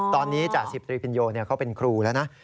ตอนนี้จ่าสิบตรีพิญโยเขาเป็นครูแล้วนะ